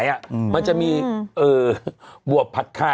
แต่อาจจะส่งมาแต่อาจจะส่งมา